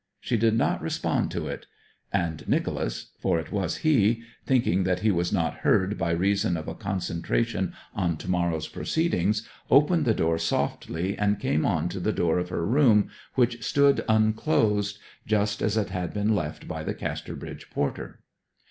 She did not respond to it; and Nicholas for it was he thinking that he was not heard by reason of a concentration on to morrow's proceedings, opened the door softly, and came on to the door of her room, which stood unclosed, just as it had been left by the Casterbridge porter.